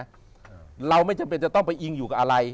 เราไม่จำเป็นจะต้องไปอิงอยู่กับอะไร